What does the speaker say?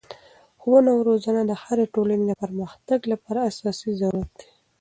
ښوونه او روزنه د هري ټولني د پرمختګ له پاره اساسي ضرورت دئ.